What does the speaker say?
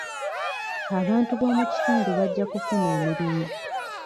Abantu b'omu kitundu bajja kufuna emirimu.